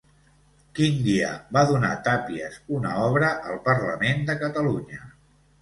Quin dia va donar Tàpies una obra al Parlament de Catalunya?